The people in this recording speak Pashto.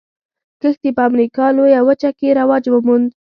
کښت یې په امریکا لویه وچه کې رواج وموند.